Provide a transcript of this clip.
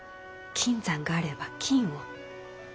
金山があれば金を。